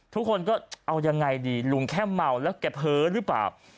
ทุกคนก็เอายังไงดีลุงแค่เมาแล้วแกเพ้อหรือเปล่า